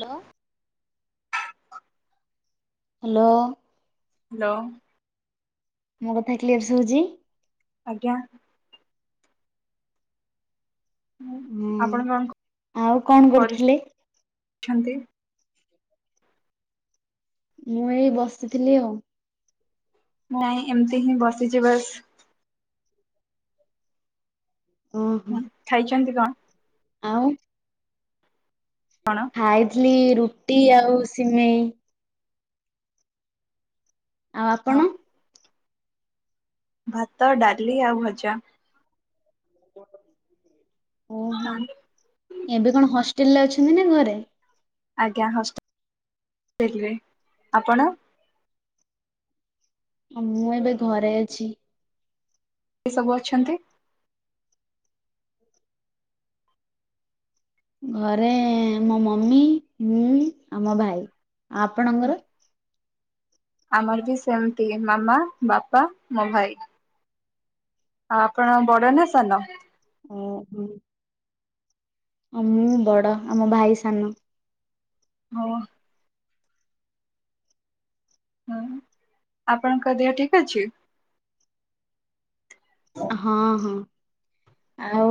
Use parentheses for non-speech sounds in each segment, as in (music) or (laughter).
Hello. Hello. Hello. ମୋ କଥା clear ଶୁଭୁଛି? ଆଜ୍ଞା। ହୁଁ ଆପଣ ହୁଁ। କଣ ଆଉ କଣ କରୁଥିଲେ? କରୁଛନ୍ତି? ମୁଁ ଏଇ ବସିଥିଲି ଆଉ। ନାଇଁ ଏମିତି ହିଁ ବସିଛି ବସିଛି ବାସ୍। ଓହୋଃ। ଖାଇଛନ୍ତି କଣ? ଆଉ କଣ? ଖାଇଥିଲି ରୁଟି ଆଉ ସିମେଇ। ଆଉ ହଁ ଆପଣ? ଭାତ, ଡାଲି, ଆଉ ଭଜା। ଓହୋଃ ଏବେ କଣ ହଷ୍ଟେଲ ରେ ଅଛନ୍ତି ନା ଘରେ? ଆଜ୍ଞା ହଷ୍ଟେଲ ରେ (unintelligible) ଆପଣ? ମୁଁ ଏବେ ଘରେ ଅଛି। କିଏ ସବୁ ଅଛନ୍ତି? ଘରେ ମୋ ମମି ମୁଁ ଆଉ ମୋ ଭାଇ ଆଉ ଆପଣଙ୍କର? ଆମର ବି ସେମିତି ମାମା, ବାପା, ମୋ ଭାଇ। ଆଉ ଆପଣ ବଡ଼ ନା ସାନ? ଓହୋଃ। ହ ମୁଁ ବଡ଼ ଆଉ ମୋ ଭାଇ ସାନ। ହଁ। ହୁଁ ଆପଣଙ୍କ ଦେହ ଠିକ ଅଛି? ହଁ ହଁ। ଆଉ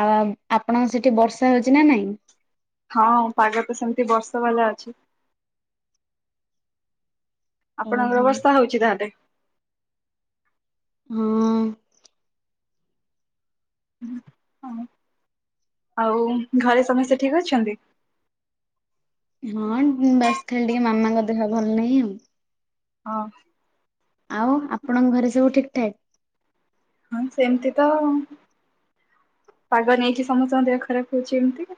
ଆଉ ଆପଣଙ୍କ ସେଠି ବର୍ଷା ହଉଛି ନା ନାଇଁ? ହଁ ପାଗ ତ ସେମିତି ବର୍ଷା ବାଲା ଅଛି। ଆପଣଙ୍କର ଓହୋ ବର୍ଷା ହଉଛି ତାହେଲେ? ହଁ। ହଁ ଆଉ ଘରେ ସମସ୍ତେ ଠିକ ଅଛନ୍ତି? ହଁ ବାସ୍ ଖାଲି ଟିକେ ମାମାଙ୍କ ଦେହ ଭଲ ନାହିଁ ଆଉ। ହଁ। ଆଉ ଆପଣଙ୍କ ଘରେ ସବୁ ଠିକ୍ ଠାକ୍? ହଁ ସେମିତି ତ ପାଗ ନେଇକି ସମସ୍ତଙ୍କ ଦେହ ଖରାପ ହଉଛି ଏମିତି।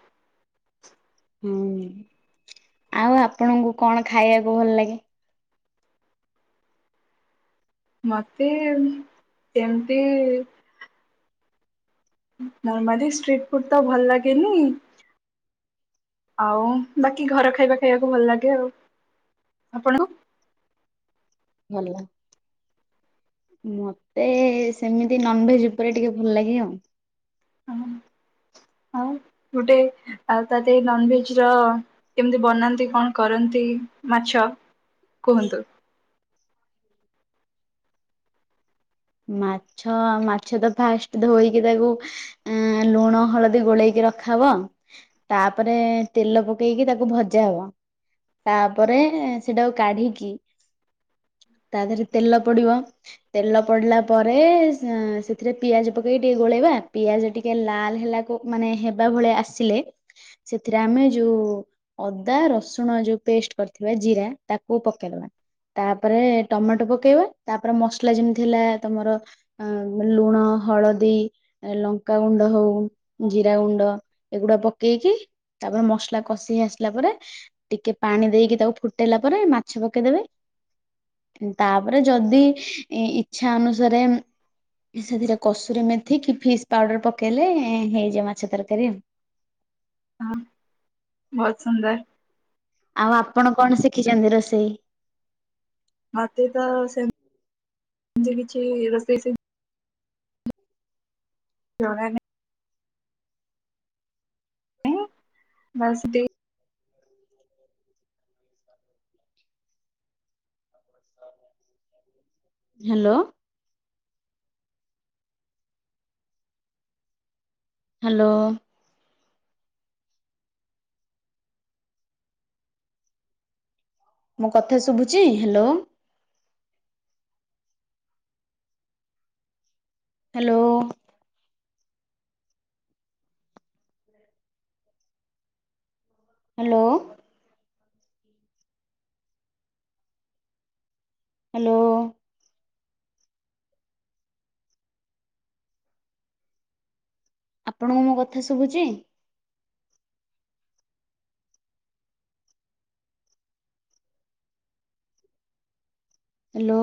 ହୁଁ ଆଉ ଆପଣଙ୍କୁ କଣ ଖାଇବାକୁ ଭଲ ଲାଗେ? ମତେ ସେମିତି ନର୍ମାଲି ଷ୍ଟ୍ରିଟ ଫୁଡ଼୍ ତ ଭଲ ଲାଗେନି ଆଉ ବାକି ଘର ଖାଇବା ଖାଇବାକୁ ଭଲ ଲାଗେ ଆଉ। ଆପଣଙ୍କୁ? ଭଲ ମତେ ସେମିତି ନନଭେଜ ଉପରେ ଟିକେ ଭଲଲାଗେ ଆଉ। ଆମ ଆଉ ଗୋଟେ ଆଉ ତା ଦେହରେ ନନଭେଜର କେମତି ବନାନ୍ତି କଣ କରନ୍ତି ମାଛ କୁହନ୍ତୁ। ମାଛ ଆଉ ମାଛ ତ ଫାଷ୍ଟ ଧୋଇକି ତାକୁ ଆଁ ଲୁଣ ହଳଦୀ ଗୋଳେଇକି ରଖାହବ। ତାପରେ ତେଲ ପକେଇକି ତାକୁ ଭଜା ହବ। ତାପରେ ସେଟାକୁ କାଢି଼କି ତା ଦେହରେ ତେଲ ପଡ଼ିବ ତେଲ ପଡ଼ିଲା ପରେ ସେ ସେଥିରେ ପିଆଜ ପକେଇକି ଟିକେ ଗୋଳେଇବା ପିଆଜ ଟିକେ ଲାଲ ହେଲା ମାନେ ହେବା ଭଳି ଆସିଲେ ସେଥିରେ ଆମେ ଯୋଉ ଅଦା ରସୁଣ ଯୋଉ ପେଷ୍ଟ କରିଥିବା ଜିରା ତାକୁ ପକେଇଦବା। ତାପରେ ଟମାଟୋ ପକେଇବେ ତାପରେ ମସଲା ଯେମତି ହେଲା ତମର ଆ ଲୁଣ ମାନେ ଲୁଣ ହଳଦୀ ଏ ଲଙ୍କାଗୁଣ୍ଡ ହୋଉ ଜିରା ଗୁଣ୍ଡ ଏଗୁଡା ପକେଇକି ତାପରେ ମସଲା କଷି ହେଇ ଆସିଲା ପରେ ଟିକେ ପାଣି ଦେଇକି ତାକୁ ଫୁଟେଇଲା ପରେ ମାଛ ପକେଇଦେବେ। ତାପରେ ଯଦି ଇ ଇଚ୍ଛା ଅନୁସାରେ ଏ ସେଥିରେ କସୁରୀ ମେଥି କି ଫିସ୍ ପାଉଡ଼ର ପକେଇଲେ ହେଇଯିବ ମାଛ ତରକାରୀ। ବୋହୁତ୍ ସୁନ୍ଦର୍। ଆଉ ଆପଣ କଣ ଶିଖିଛନ୍ତି ରୋଷେଇ? ମତେ ତ ସେ-ତି କିଛି ରୋଷେଇ ଶି ଜଣାନା ହିଁ ବାସ୍ ତି ହାଲୋ। ହାଲୋ। ମୁଁ ମୋ କଥା ଶୁଭୁଚି ହାଲୋ? ହାଲୋ। ହାଲୋ। ହାଲୋ। ଆପଣଙ୍କୁ ମୋ କଥା ଶୁଭୁଚି? ହାଲୋ।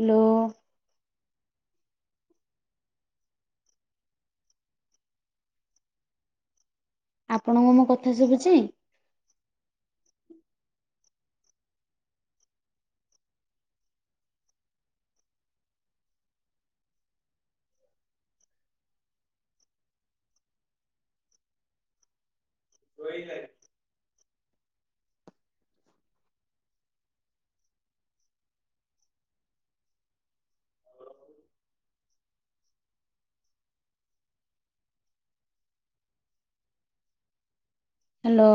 ହାଲୋ। ଆପଣଙ୍କୁ ମୋ କଥା ଶୁଭୁଚି? (unintelligible) ହାଲୋ।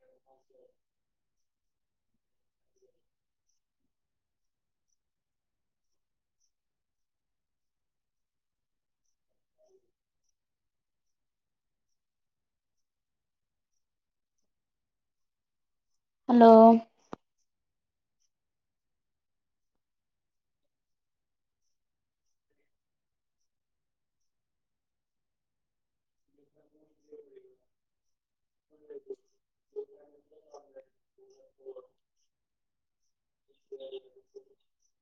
ହଁ ଶୁବେ ହାଲୋ। (unintelligible) (unintelligible)